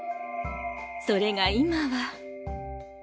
それが今は。